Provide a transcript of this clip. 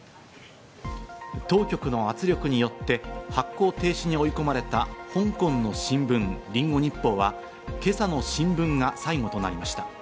当局の圧力によって発行停止に追い込まれた香港の新聞・リンゴ日報は今朝の新聞が最後となりました。